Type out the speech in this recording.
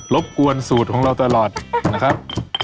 บกวนสูตรของเราตลอดนะครับ